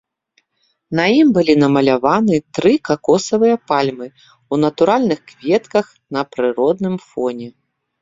На ім былі намаляваны тры какосавыя пальмы ў натуральных кветках на прыродным фоне.